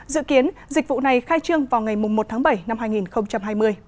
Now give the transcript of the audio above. dự kiến dịch vụ này khai trương vào ngày một tháng bảy năm hai nghìn hai mươi